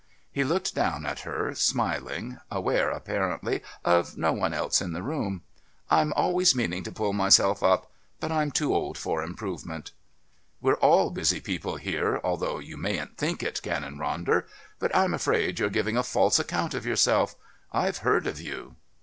He looked down at her, smiling, aware, apparently, of no one else in the room. "I'm always meaning to pull myself up. But I'm too old for improvement" "We're all busy people here, although you mayn't think it, Canon Ronder. But I'm afraid you're giving a false account of yourself. I've heard of you."